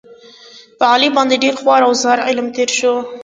په علي باندې ډېر خوار او زار عمر تېر شو.